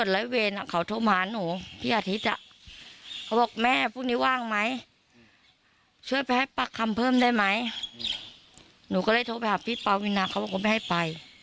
แล้วคอหลุดค่ะ